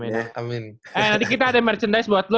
nanti kita ada merchandise buat lu